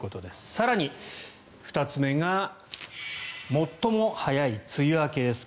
更に、２つ目が最も早い梅雨明けです。